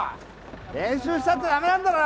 練習したってダメなんだろ？